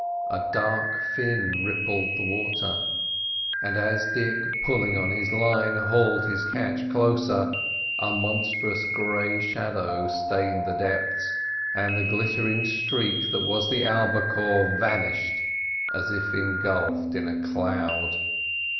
A dark fin rippled the water; and as Dick, pulling on his line, hauled his catch closer, a monstrous grey shadow stained the depths, and the glittering streak that was the albicore vanished as if engulfed in a cloud.